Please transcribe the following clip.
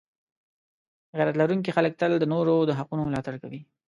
غیرت لرونکي خلک تل د نورو د حقونو ملاتړ کوي.